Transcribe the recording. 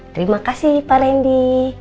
terima kasih pak rendy